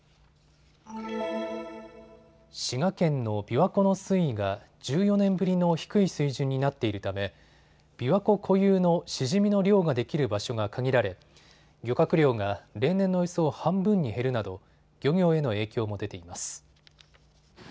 滋賀県のびわ湖の水位が１４年ぶりの低い水準になっているためびわ湖固有のシジミの漁ができる場所が限られ漁獲量が例年のおよそ半分に減るなど漁業への影響も出ています。